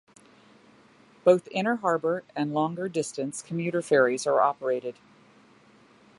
Both inner harbor and longer distance commuter ferries are operated.